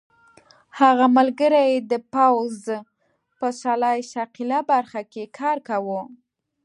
هغه ملګری یې د پوځ په سلاح ساقېله برخه کې کار کاوه.